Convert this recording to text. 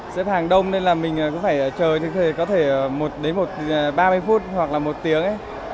xếp hàng đông nên là mình có phải chờ có thể đến ba mươi phút hoặc là một tiếng